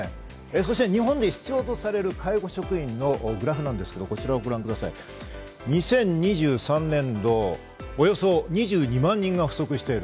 そして日本で必要とされる介護職員数のグラフなんですが、２０２３年度、およそ２２万人が不足している。